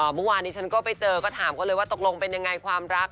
เมื่อวานนี้ฉันก็ไปเจอก็ถามเขาเลยว่าตกลงเป็นยังไงความรัก